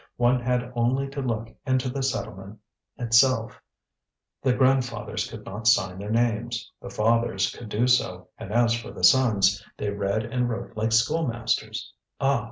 One had only to look into the settlement itself: the grandfathers could not sign their names, the fathers could do so, and as for the sons, they read and wrote like schoolmasters. Ah!